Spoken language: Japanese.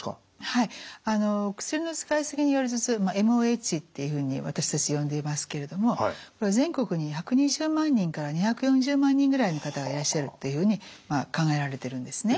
はい薬の使いすぎによる頭痛まあＭＯＨっていうふうに私たち呼んでいますけれども全国に１２０万人から２４０万人ぐらいの方がいらっしゃるっていうふうにまあ考えられてるんですね。